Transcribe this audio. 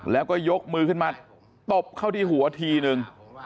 แล้วก็ยกมือขึ้นมาตบเข้าที่หัวทีนึง